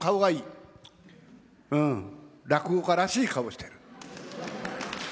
落語家らしい顔してる。